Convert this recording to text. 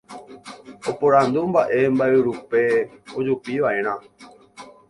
Oporandu mba'e mba'yrúpe ojupiva'erã.